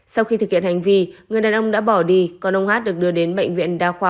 sau khi thực hiện hành vi người đàn ông đã bỏ đi còn ông hát được đưa đến bệnh viện đa khoa